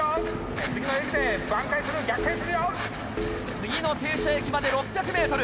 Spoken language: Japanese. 次の停車駅まで６００ｍ。